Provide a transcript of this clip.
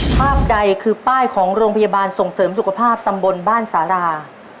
ภาพใดคือป้ายของโรงพยาบาลส่งเสริมสุขภาพตำบลบ้านสารา